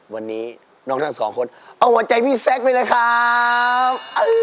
วันนี้น้องทั้งสองคนเอาหัวใจพี่แซคไปเลยครับ